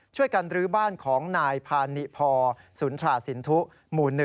ช่วยกันรื้อบ้านของนายพานิพอสุนทราสินทุหมู่๑